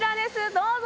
どうぞ。